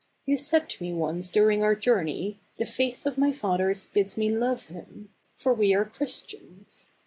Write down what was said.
You said to me once during our journey, 'The faith of my fathers bids me love him ; for we are Christians.